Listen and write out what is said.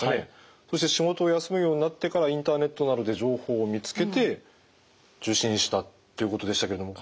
そして仕事を休むようになってからインターネットなどで情報を見つけて受診したっていうことでしたけれどもこういった例はあるんでしょうか？